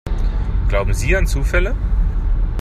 Glauben Sie an Zufälle?